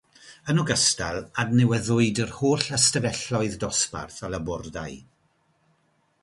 Yn ogystal, adnewyddwyd yr holl ystafelloedd dosbarth a labordai.